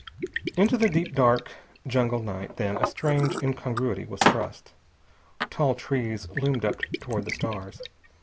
Into the deep dark jungle night, then, a strange incongruity was thrust. Tall trees loomed up toward the stars.